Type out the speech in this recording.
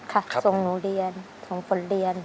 ครับเปลี่ยนน์ส่งหนูเรียนส่งฝนเลี้ยน